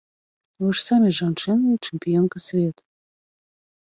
Вы ж самі жанчына і чэмпіёнка свету.